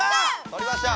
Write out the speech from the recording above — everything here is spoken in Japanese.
とりました。